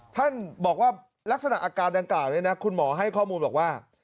ท่านบอกว่าลักษณะอาการดังกล่าวนี้นะคุณหมอให้ข้อมูลบอกว่า